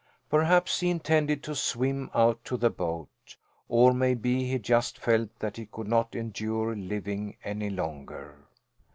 Perhaps he intended to swim out to the boat. Or maybe he just felt that he could not endure living any longer.